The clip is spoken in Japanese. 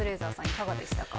いかがでしたか？